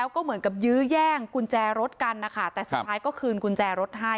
ก็เหมือนกับยื้อแย่งกุญแจรถกันนะคะแต่สุดท้ายก็คืนกุญแจรถให้